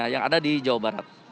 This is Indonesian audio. jadi ini adalah yang terakhir